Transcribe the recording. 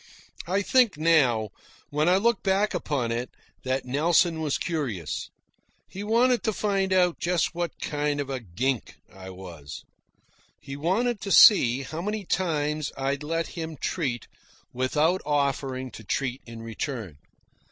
I think, now, when I look back upon it, that Nelson was curious. He wanted to find out just what kind of a gink I was. He wanted to see how many times I'd let him treat without offering to treat in return.